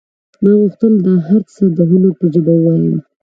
ما غوښتل دا هر څه د هنر په ژبه ووایم